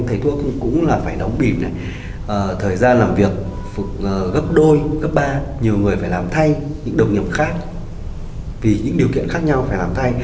thầy thuốc cũng là phải đóng bịp này thời gian làm việc gấp đôi gấp ba nhiều người phải làm thay những đồng nghiệp khác vì những điều kiện khác nhau phải làm thay